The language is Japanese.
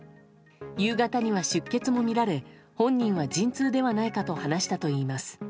夕方には出血も見られ本人は陣痛ではないかと話したといいます。